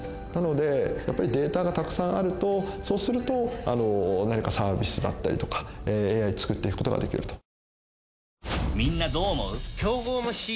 なのでやっぱりデータがたくさんあるとそうすると何かサービスだったりとかＡＩつくっていくことができると。